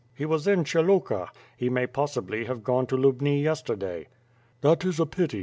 "He was in Pshyluka. He may possibly have gone to Lubni yesterday." "That is a pity.